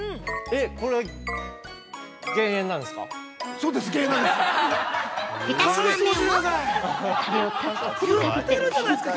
えっ、これ、減塩なんですか。